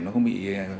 nó không bị